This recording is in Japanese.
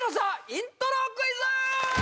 イントロクイズ